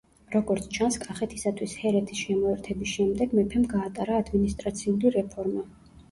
როგორც ჩანს, კახეთისათვის ჰერეთის შემოერთების შემდეგ მეფემ გაატარა ადმინისტრაციული რეფორმა.